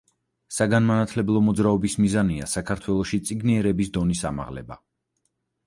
საგანმანათლებლო მოძრაობის მიზანია საქართველოში წიგნიერების დონის ამაღლება.